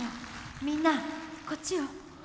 みんなこっちよ。